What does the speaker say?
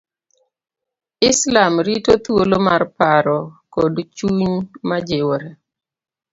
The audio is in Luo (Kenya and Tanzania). islam rito thwolo mar paro kod chuny majiwore